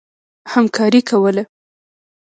همکاري کوله.